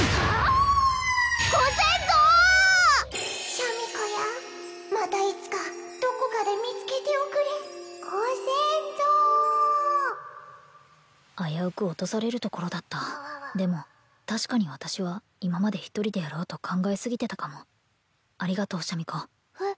シャミ子やまたいつかどこかで見つけておくれご先祖あやうく落とされるところだったでも確かに私は今まで一人でやろうと考えすぎてたかもありがとうシャミ子えっ？